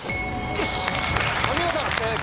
よし！